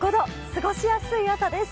過ごしやすい朝です。